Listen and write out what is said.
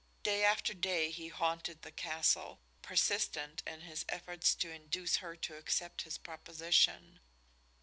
Day after day he haunted the castle, persistent in his efforts to induce her to accept his proposition.